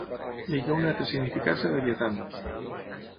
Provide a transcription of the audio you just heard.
Vegeu-ne altres significats a «Leviathan».